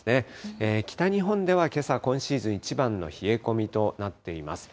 北日本ではけさ、今シーズン一番の冷え込みとなっています。